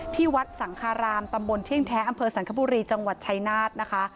ที่วัดสังคารามตำบลเที่ยงแท้อำเภอสังคบุรีจังหวัดชายนาฏนะคะ